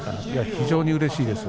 非常にうれしいです。